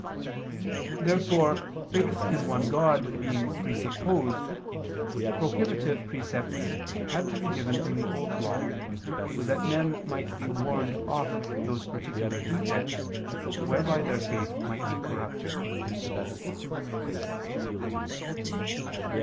Therefore faith in one God being presupposed, prohibitive precepts had to be given in the Old Law, so that men might be warned off those particular defects whereby their faith might be corrupted.